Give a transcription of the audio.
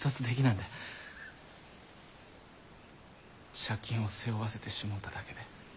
借金を背負わせてしもうただけで。